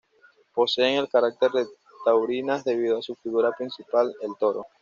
Poseen el carácter de taurinas debido a su figura principal, el toro.